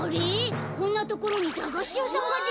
こんなところにだがしやさんができてる。